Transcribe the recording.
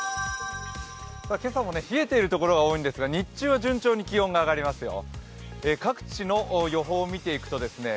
今朝も冷えているところは多いんですが日中は順調に気温が上がりますよ。